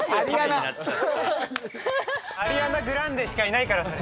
アリアナ・グランデしかいないからね。